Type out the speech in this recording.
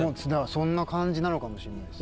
そんな感じなのかもしれないです。